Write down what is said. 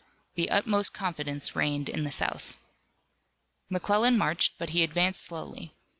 The utmost confidence reigned in the South. McClellan marched, but he advanced slowly.